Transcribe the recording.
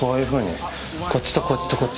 こっちとこっちと、こっち。